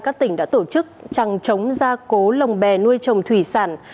các tỉnh đã tổ chức trăng trống gia cố lồng bè nuôi trồng thủy sản